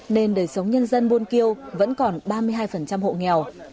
nên đời sống nhân dân buôn kêu vẫn còn ba mươi hai hộ nghèo